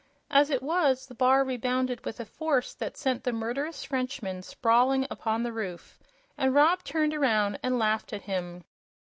At it was, the bar rebounded with a force that sent the murderous Frenchman sprawling upon the roof, and Rob turned around and laughed at him.